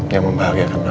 yang membahagiakan kamu